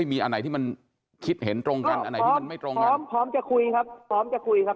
มีอันไหนที่มันคิดเห็นตรงกันอันไหนที่มันไม่ตรงกันพร้อมพร้อมจะคุยครับพร้อมจะคุยครับ